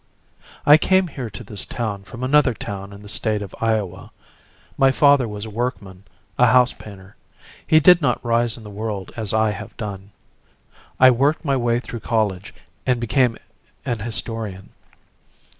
I came here to this town from another town in the state of Iowa. My father was a workman, a house painter. He did not rise in the world as I have done. I worked my way through college and became an historian.